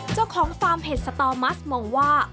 เจ้าของฟาร์มเห็ดสตอมัสมองว่า